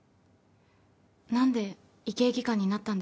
何で医系技官になったんですか？